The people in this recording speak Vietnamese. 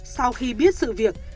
sau khi biết sự việc